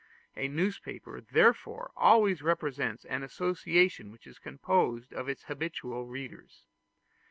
A newspaper therefore always represents an association which is composed of its habitual readers.